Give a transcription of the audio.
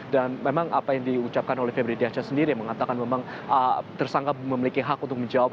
dan memang apa yang diucapkan oleh pbrd anca sendiri yang mengatakan memang tersangka memiliki hak untuk menjawab